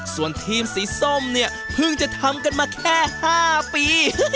ส่วนทีมสีส้มเนี่ยเพิ่งจะทำกันมาแค่๕ปี